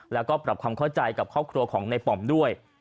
แล้วก็ปรับความเข้าใจกับครอบครัวของในป่อมด้วย